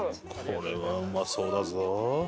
これはうまそうだぞ。